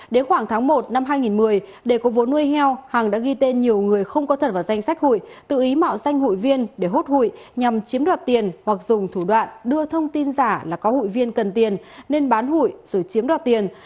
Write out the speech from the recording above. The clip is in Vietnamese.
đến khoảng tháng một năm hai nghìn một mươi để có vốn nuôi heo hằng đã ghi tên nhiều người không có thật vào danh sách hụi tự ý mạo danh hụi viên để hốt hụi nhằm chiếm đoạt tiền hoặc dùng thủ đoạn đưa thông tin giả là có hụi viên cần tiền nên bán hụi rồi chiếm đoạt tiền